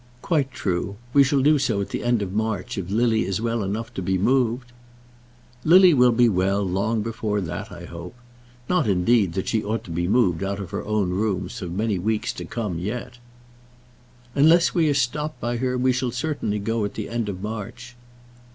"Quite true. We shall do so at the end of March, if Lily is well enough to be moved." "Lily will be well long before that, I hope; not, indeed, that she ought to be moved out of her own rooms for many weeks to come yet." "Unless we are stopped by her we shall certainly go at the end of March."